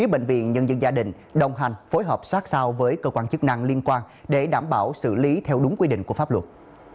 bệnh viện nhân dân gia đình đồng hành phối hợp sát sao với cơ quan chức năng liên quan để đảm bảo xử lý theo đúng quy định của pháp luật